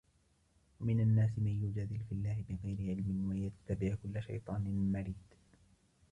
ومن الناس من يجادل في الله بغير علم ويتبع كل شيطان مريد